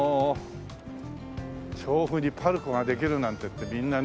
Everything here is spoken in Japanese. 調布にパルコができるなんてってみんなね